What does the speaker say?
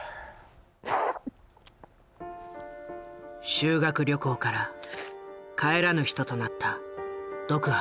修学旅行から帰らぬ人となったドクハ。